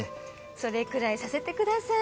それくらいさせてください。